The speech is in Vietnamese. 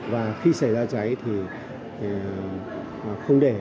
và khi xảy ra cháy thì không để